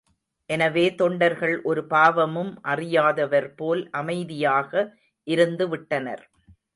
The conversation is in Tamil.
எனவே தொண்டர்கள் ஒரு பாவமும் அறியாதவர் போல் அமைதியாக இருந்து விட்டனர்.